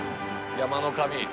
山の神。